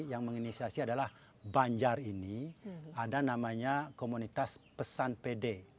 yang menginisiasi adalah banjar ini ada namanya komunitas pesan pede